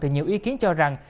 thì nhiều ý kiến cho rằng